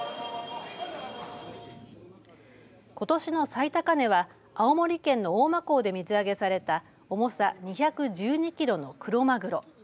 ことしの最高値は青森県の大間港で水揚げされた重さ２１２キロのクロマグロ。